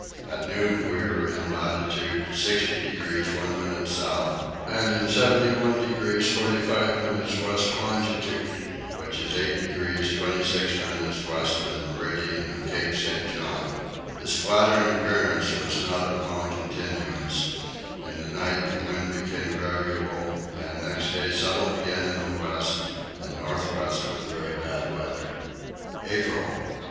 At noon we were in latitude 60 degrees 1 minute south and in 71 degrees 45 minutes west longitude, which is 8 degrees 26 minutes west of the meridian of Cape St. John. This flattering appearance was not of long continuance: in the night the wind became variable and next day settled again in the west and north west with very bad weather. April.